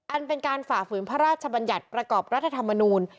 อันเป็นการฝ่าฝืนพระราชบัญญัติประกอบรัฐธรรมนูล